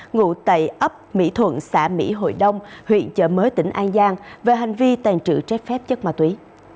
ngụ tại ấp mỹ thuận xã mỹ hội đông huyện chợ mới tỉnh an giang về hành vi tàn trự trái phép chất ma túy